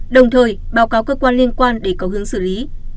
đồng thời báo cáo cơ quan liên quan để có hướng xử lý